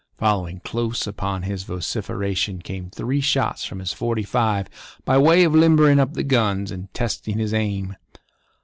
Following close upon his vociferation came three shots from his forty five by way of limbering up the guns and testing his aim.